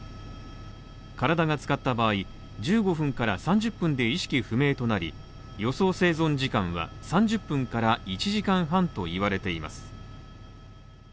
体がつかった場合、１５分から３０分で意識不明となり、予想生存時間は３０分から１時間半といわれています。